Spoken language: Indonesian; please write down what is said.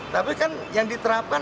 tapi kan yang diterapkan